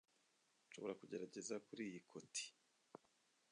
Nshobora kugerageza kuriyi koti